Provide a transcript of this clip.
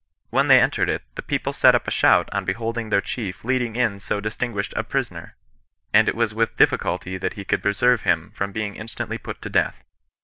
When they entered it, the people set up a shout on beholding their chief leading in so distinguished a prisoner, and it was with diflBiculty that he could preserve him from being instantly put to death.